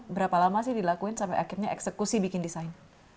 berapa lama sih dilakuin sampai akhirnya eksekusi bikin desain